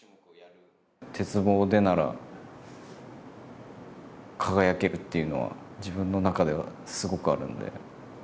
鉄棒でなら輝けるっていうのは、自分の中ではすごくあるんで。